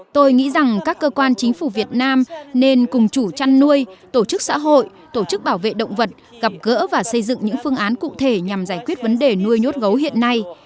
tôi nghĩ rằng các cơ quan chính phủ việt nam nên cùng chủ chăn nuôi tổ chức xã hội tổ chức bảo vệ động vật gặp gỡ và xây dựng những phương án cụ thể nhằm giải quyết vấn đề nuôi nhốt gấu hiện nay